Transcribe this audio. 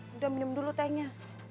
sudah minum dulu tehnya